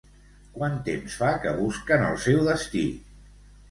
Quant temps fa que busquen el seu destí?